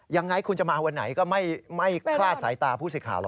ยังไงคุณจะมาวันไหนก็ไม่คลาดสายตาผู้สื่อข่าวแล้ว